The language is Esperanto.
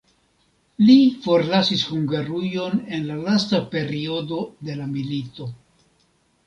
Li forlasis Hungarujon en la lasta periodo de la milito.